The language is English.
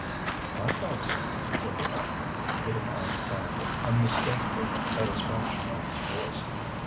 "I thought so," said the doctor, with an odd sound of unmistakable satisfaction in his voice.